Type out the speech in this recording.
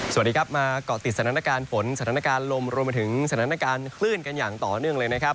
สวัสดีครับมาเกาะติดสถานการณ์ฝนสถานการณ์ลมรวมไปถึงสถานการณ์คลื่นกันอย่างต่อเนื่องเลยนะครับ